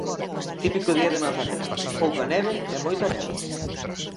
Típico día de Manzaneda: pouca neve e moita néboa.